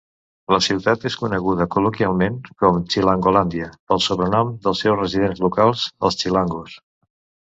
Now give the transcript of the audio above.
La ciutat és coneguda col·loquialment com "Chilangolandia" pel sobrenom dels seus residents locals, els "chilangos".